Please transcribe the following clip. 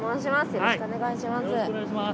よろしくお願いします。